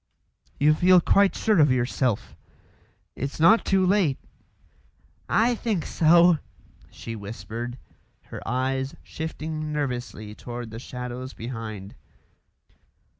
"You feel quite sure of yourself? It's not too late " "I think so," she whispered, her eyes shifting nervously toward the shadows behind.